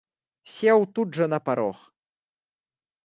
Сеў тут жа на парог.